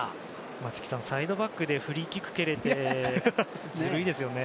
松木さんサイドバックでフリーキックを蹴れるってずるいですよね。